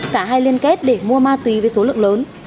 cả hai liên kết để mua ma túy với số lượng lớn